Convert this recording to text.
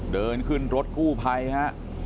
เดินขึ้นรถกู้ภัยฮะ